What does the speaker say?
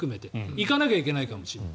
行かなきゃいけないかもしれない。